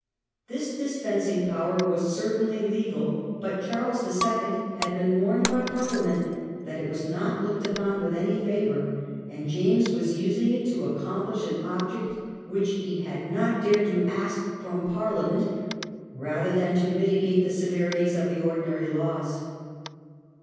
This dispensing power was certainly legal, but Charles II. had been warned by Parliament that it was not looked upon with any favour, and James was using it to accomplish an object which he had not dared to ask from Parliament rather than to mitigate the severities of the ordinary laws.